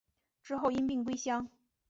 之后因病归乡。